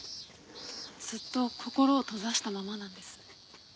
ずっと心を閉ざしたままなんです。